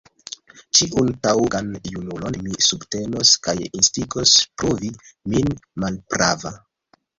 Ĉiun taŭgan junulon mi subtenos kaj instigos pruvi min malprava.